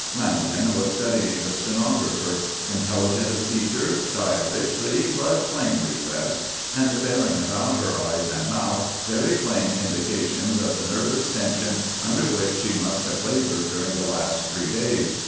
Lanagan was studying the stenographer: intelligent of feature, stylishly but plainly dressed, and bearing about her eyes and mouth very plain indications of the nervous tension under which she must have laboured during the last three days.